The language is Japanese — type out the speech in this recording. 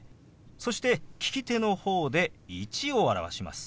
そして利き手の方で「１」を表します。